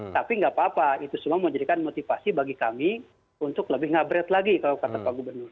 tapi nggak apa apa itu semua menjadikan motivasi bagi kami untuk lebih ngabret lagi kalau kata pak gubernur